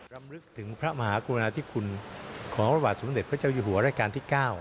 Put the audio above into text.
รำลึกถึงพระมหากรุณาธิคุณของพระบาทสมเด็จพระเจ้าอยู่หัวราชการที่๙